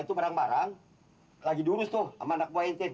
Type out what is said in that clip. itu barang barang lagi diurus tuh sama anak buah nt